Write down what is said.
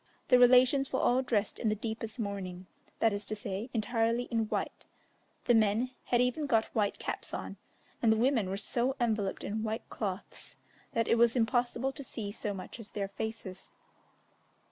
The relations were all dressed in the deepest mourning that is to say, entirely in white; the men had even got white caps on, and the women were so enveloped in white cloths that it was impossible to see so much as their faces.